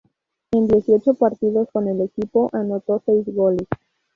En dieciocho partidos con el equipo, anotó seis goles.